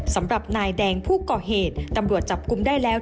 สำหรับนายแดงผู้ก่อเหตุตำรวจจับกลุ่มได้แล้ว